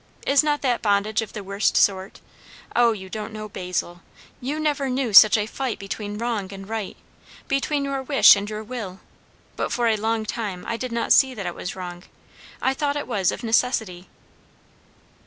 Is not that bondage of the worst sort? O, you don't know, Basil! you never knew such a fight between wrong and right; between your wish and your will. But for a long time I did not see that it was wrong; I thought it was of necessity."